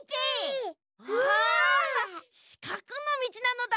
しかくのみちなのだ。